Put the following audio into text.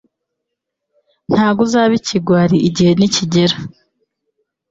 nta bwo uzaba ikigwari igihe nikigera